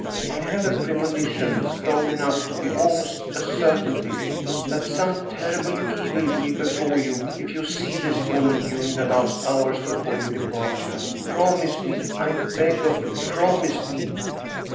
I have a premonition, strong enough to be almost a certainty, that some terrible evil will befall you if you see this woman during the last hours before your departure. Promise me, I beg of you, promise me